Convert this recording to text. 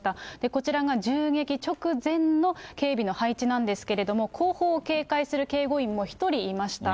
こちらが銃撃直前の警備の配置なんですけれども、後方を警戒する警護員も１人いました。